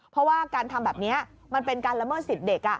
เพราะว่าการทำแบบนี้มันเป็นการละเมิดสิทธิ์เด็ก